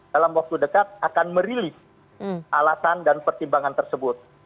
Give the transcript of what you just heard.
dalam waktu dekat akan merilis alasan dan pertimbangan tersebut